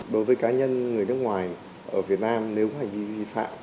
đối với cá nhân người nước ngoài ở việt nam nếu có hành vi vi phạm